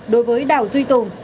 đối với đào duy tùng